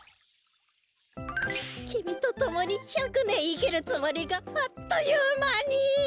きみとともに１００ねんいきるつもりがあっというまに。